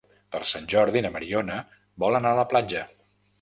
Per Sant Jordi na Mariona vol anar a la platja.